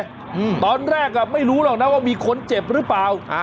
อืมตอนแรกอ่ะไม่รู้หรอกนะว่ามีคนเจ็บหรือเปล่าอ่า